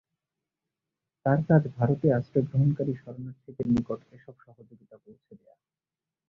তাঁর কাজ ভারতে আশ্রয় গ্রহণকারী শরণার্থীদের নিকট এসব সহযোগিতা পৌঁছে দেওয়া।